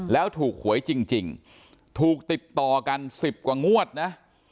แล้วถูกหวยจริงถูกติดต่อกัน๑๐กว่างวดนะ